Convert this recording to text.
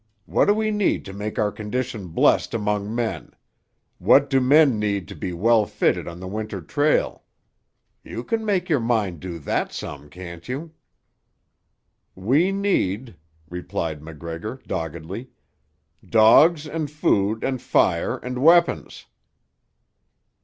What do we need to make our condition blessed among men; what do men need to be well fitted on the Winter trail? You can make your mind do that sum, can't you?" "We need," replied MacGregor doggedly, "dogs, and food, and fire, and weapons."